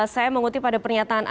saya mengutip pada pernyataan anda